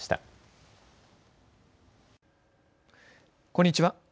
こんにちは。